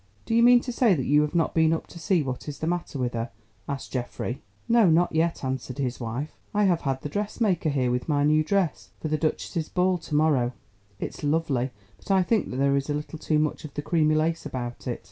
"Do you mean to say that you have not been up to see what is the matter with her?" asked Geoffrey. "No, not yet," answered his wife. "I have had the dressmaker here with my new dress for the duchess's ball to morrow; it's lovely, but I think that there is a little too much of that creamy lace about it."